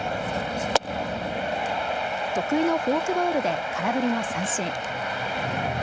得意のフォークボールで空振りの三振。